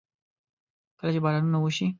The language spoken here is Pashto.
کله چې بارانونه وشي.